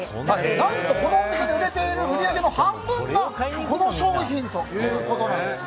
何と、このお店で売れている売り上げの半分がこの商品ということなんです。